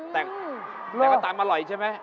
แตกแตกวันตามอร่อยใช่ไหม